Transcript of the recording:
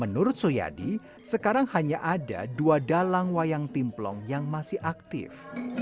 menurut suyadi sekarang hanya ada dua dalang wayang timplong yang masih aktif